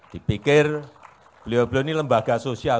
dipikir beliau beliau ini lembaga sosial